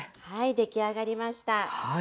出来上がりました。